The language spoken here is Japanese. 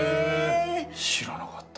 知らなかった。